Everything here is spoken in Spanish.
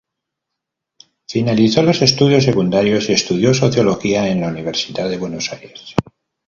Finalizó los estudios secundarios y estudió Sociología en la Universidad de Buenos Aires.